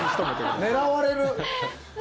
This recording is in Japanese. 狙われる！